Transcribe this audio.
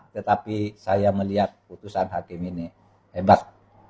tetapi saya melihat putusan hakim ini hebat